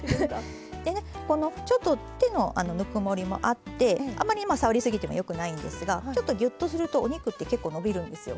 でねこのちょっと手のぬくもりもあってあまり触り過ぎてもよくないんですがちょっとギュッとするとお肉って結構伸びるんですよ